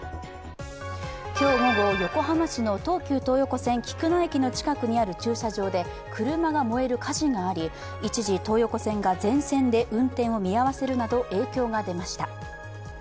今日午後、横浜市の東急東横線・菊名駅の近くにある駐車場で車が燃える火事があり、一時、東横線が全線で運転を見合わせるなど影響が出ました。